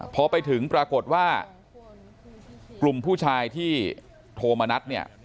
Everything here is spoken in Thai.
พอไปถึงปรากฏว่ากลุ่มผู้ชายที่โทรมานัดเนี่ย